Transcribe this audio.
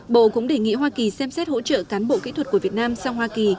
bộ cũng đề nghị hoa kỳ xem xét hỗ trợ cán bộ kỹ thuật của việt nam sang hoa kỳ